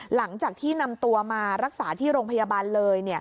หลังจากที่นำตัวมารักษาที่โรงพยาบาลเลย